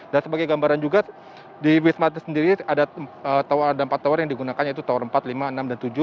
dan sebagai gambaran juga di wisma atlet sendiri ada empat tower yang digunakan yaitu tower empat lima enam dan tujuh